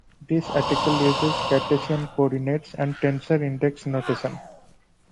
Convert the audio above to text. This article uses Cartesian coordinates and tensor index notation.